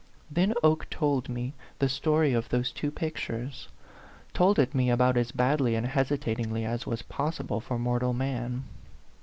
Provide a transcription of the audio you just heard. Then Oke told me the story of those two pictures told it me about as badly and hesitatingly as was pos sible for mortal man.